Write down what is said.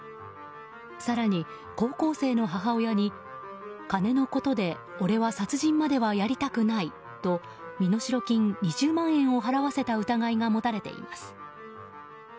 更に、高校生の母親に金のことで俺は殺人まではやりたくないと身代金２０万円を払わせた疑いが持たれています。